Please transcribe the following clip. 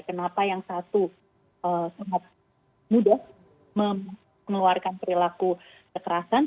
kenapa yang satu sangat mudah mengeluarkan perilaku kekerasan